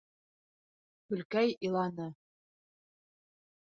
Гөлкәй иланы.